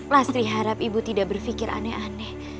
lastri harap ibu tidak berpikir aneh aneh